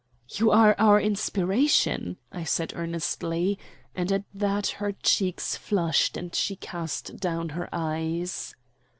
"You are our inspiration," I said earnestly, and at that her cheeks flushed and she cast down her eyes.